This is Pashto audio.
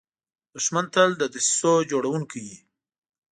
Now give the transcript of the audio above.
دښمن تل د دسیسو جوړونکی وي